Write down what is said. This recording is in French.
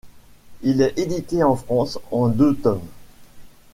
Il est édité en France en deux tomes.